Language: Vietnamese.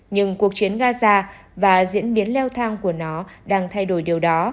nhưng cuộc chiến gaza và diễn biến leo thang của nó đang thay đổi điều đó